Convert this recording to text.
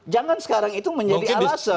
jangan sekarang itu menjadi alasan